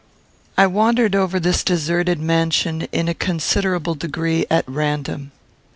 I wandered over this deserted mansion, in a considerable degree, at random.